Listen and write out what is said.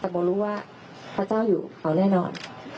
แต่โบรู้ว่าพระเจ้าอยู่เขาแน่นอน